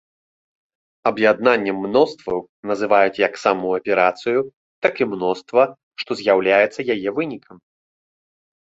Аб'яднаннем мностваў называюць як саму аперацыю, так і мноства, што з'яўляецца яе вынікам.